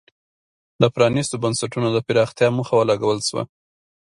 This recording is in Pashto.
د پرانیستو بنسټونو د پراختیا موخه ولګول شوه.